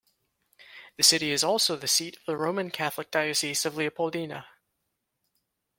The city is also the seat of the Roman Catholic Diocese of Leopoldina.